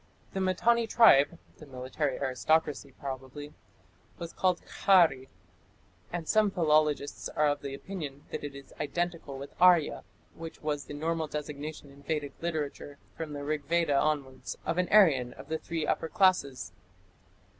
The Mitanni tribe (the military aristocracy probably) was called "Kharri", and some philologists are of opinion that it is identical with "Arya", which was "the normal designation in Vedic literature from the Rigveda onwards of an Aryan of the three upper classes".